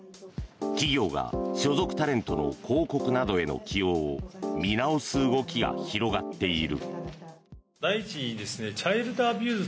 企業が所属タレントの広告などへの起用を見直す動きが広がっている。